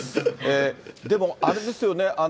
でもあれですよね。